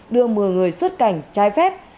đưa một mươi người xuất cảnh trai phép